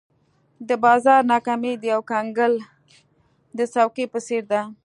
د بازار ناکامي د یو کنګل د څوکې په څېر ده.